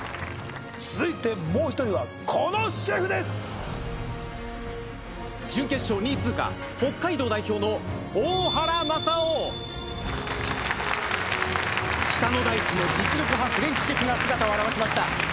続いてもう１人はこのシェフです準決勝２位通過北海道代表の大原正雄北の大地の実力派フレンチシェフが姿を現しました